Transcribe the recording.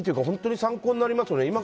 本当に参考になりますよね。